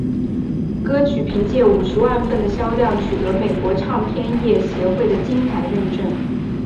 歌曲凭借五十万份的销量取得美国唱片业协会的金牌认证。